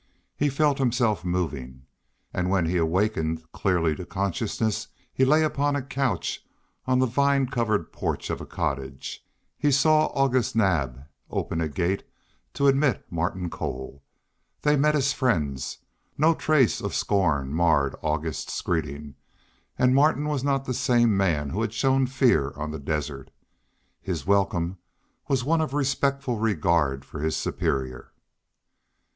He felt himself moving; and when he awakened clearly to consciousness he lay upon a couch on the vine covered porch of a cottage. He saw August Naab open a garden gate to admit Martin Cole. They met as friends; no trace of scorn marred August's greeting, and Martin was not the same man who had shown fear on the desert. His welcome was one of respectful regard for his superior.